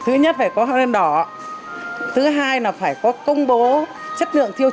thứ nhất phải có hóa đơn đỏ thứ hai là phải có công bố chất lượng tiêu chuẩn